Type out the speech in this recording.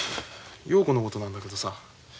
陽子のことなんだけどさ。